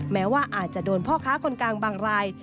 แม้ว่าอาจจะโดนพ่อค้าคนกลางบางราย